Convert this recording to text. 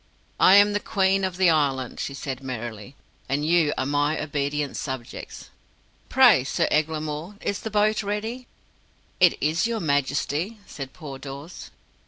"I am the Queen of the Island," she said merrily, "and you are my obedient subjects. Pray, Sir Eglamour, is the boat ready?" "It is, your Majesty," said poor Dawes.